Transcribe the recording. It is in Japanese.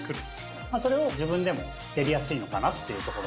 それを自分でもやりやすいのかなっていうところで。